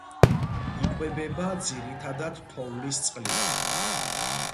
იკვებება ძირითადად თოვლის წყლით.